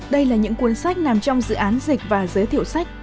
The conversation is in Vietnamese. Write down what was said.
đây là những cuốn sách nằm trong dự án dịch và giới thiệu sách